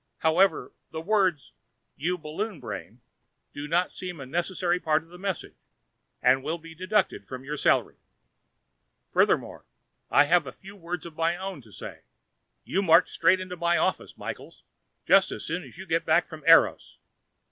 However, the words "you balloon brain" do not seem a necessary part of that message and will be deducted from your salary. Furthermore, I have a few words of my own to say. You march straight into my office, Michaels, just as soon as you get back from Eros.